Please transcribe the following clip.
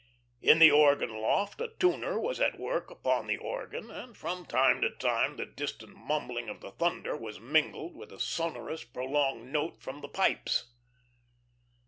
In the organ loft a tuner was at work upon the organ, and from time to time the distant mumbling of the thunder was mingled with a sonorous, prolonged note from the pipes.